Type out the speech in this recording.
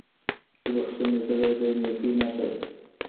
د بښنې زړه د نیکۍ نښه ده.